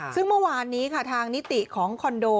ซึ่งเมื่อวานนี้ค่ะทางนิติของคอนโด